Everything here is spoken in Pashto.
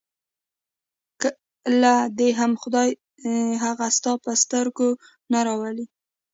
کله دې هم خدای هغه ستا په سترګو کې نه راولي.